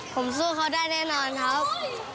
ผมสู้เขาได้แน่นอนครับ